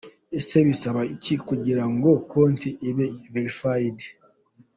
Ese bisaba iki kugira ngo konti ibe verified?.